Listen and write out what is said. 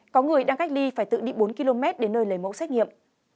có người đang cách ly phải tự đi bốn km đến nơi lấy mẫu xét nghiệm